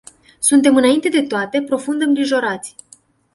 Suntem înainte de toate profund îngrijorați.